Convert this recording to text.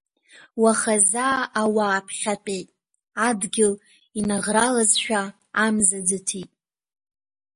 Уаха заа ауаа ԥхьатәеит, адгьыл инаӷралазшәа, амза ӡыҭит.